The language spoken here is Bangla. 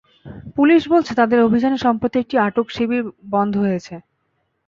পুলিশ বলেছে, তাদের অভিযানে সম্প্রতি একটি আটক শিবির বন্ধ হয়ে যায়।